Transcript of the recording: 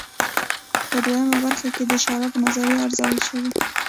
په دویمه برخه کې د شارپ نظریه ارزول شوې.